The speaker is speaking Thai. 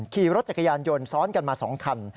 ขี่รถจักรยานยนต์ซ้อนกันมา๒คัน